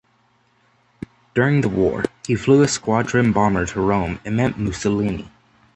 During the war he flew a squadron bomber to Rome and met Mussolini.